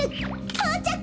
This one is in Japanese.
そうちゃく！